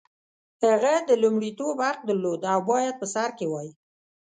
هغه د لومړیتوب حق درلود او باید په سر کې وای.